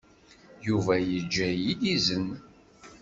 Yuba yejja-iyi-d izen.